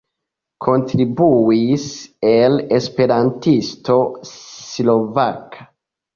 Kontribuis al Esperantisto Slovaka.